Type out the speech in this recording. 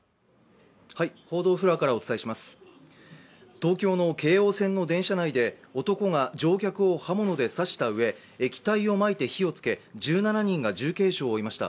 東京の京王線の電車内で男が乗客を刃物で刺したうえ液体をまいて火をつけ、１７人が重軽傷を負いました。